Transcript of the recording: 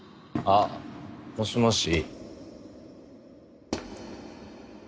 あっもしもし？